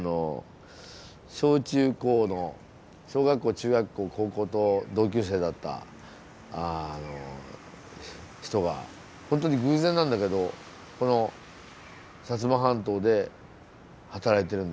小中高の小学校中学校高校と同級生だった人がホントに偶然なんだけどこの摩半島で働いてるんですよね。